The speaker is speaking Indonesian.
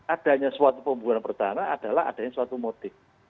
adanya suatu pembunuhan pertama adalah adanya suatu motif